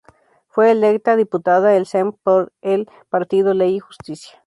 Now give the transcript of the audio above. Fue electa diputada al Sejm por el partido Ley y Justicia.